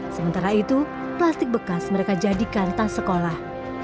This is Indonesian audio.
sementara itu plastik bekas mereka jadikan tas sekolah